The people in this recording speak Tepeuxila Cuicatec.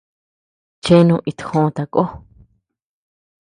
Chèènu itjoó takoó.